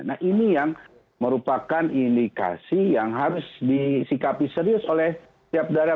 nah ini yang merupakan indikasi yang harus disikapi serius oleh setiap daerah